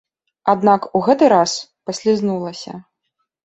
Аднак у гэты раз паслізнулася.